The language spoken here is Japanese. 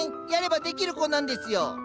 やればできる子なんですよ。